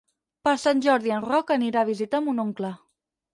Per Sant Jordi en Roc anirà a visitar mon oncle.